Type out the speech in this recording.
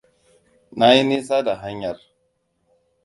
Na yi nisa da hanyar.